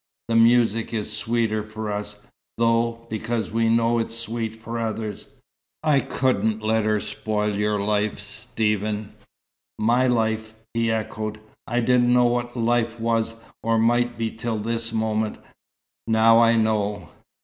"The music is sweeter for us, though, because we know it's sweet for others. I couldn't let her spoil your life, Stephen." "My life!" he echoed. "I didn't know what life was or might be till this moment. Now I know."